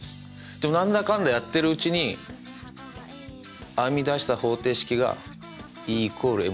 でも何だかんだやってるうちに編み出した方程式がＥ＝ｍｃってこと？